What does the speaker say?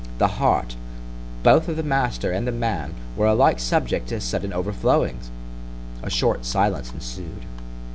_ The heart, both of the master and the man, were alike subject to sudden over flowings;——a short silence ensued.